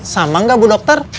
sama gak bu dokter